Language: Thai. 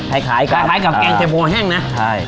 คล้ายคล้ายกับคล้ายคล้ายกับแกงเฉพาะแห้งน่ะใช่